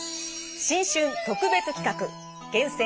新春特別企画「厳選！